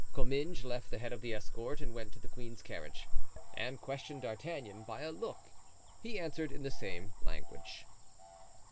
Comminges left the head of the escort and went to the queen's carriage. Anne questioned D'Artagnan by a look. He answered in the same language.